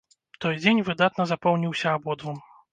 Той дзень выдатна запомніўся абодвум.